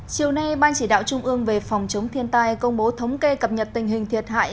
chiều nay ban chỉ đạo trung ương về phòng chống thiên tai công bố thống kê cập nhật tình hình thiệt hại